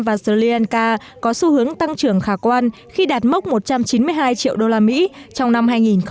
và sri lanka có xu hướng tăng trưởng khả quan khi đạt mốc một trăm chín mươi hai triệu usd trong năm hai nghìn hai mươi